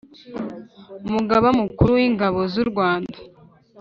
Umugaba Mukuru w Ingabo z u Rwanda